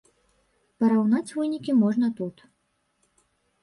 Параўнаць вынікі можна тут.